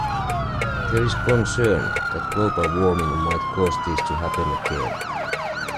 There is concern that global warming might cause this to happen again.